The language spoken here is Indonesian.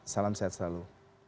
salam sehat selalu